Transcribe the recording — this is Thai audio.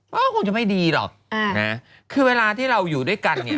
มันก็คงจะไม่ดีหรอกคือเวลาที่เราอยู่ด้วยกันเนี่ย